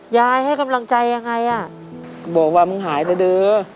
ยายให้กำลังใจยังไงอะก็บอกว่ามึงหายเถอะเด้อ